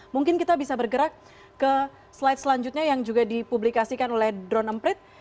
mungkin kita bisa bergerak ke slide selanjutnya yang juga dipublikasikan oleh drone emprit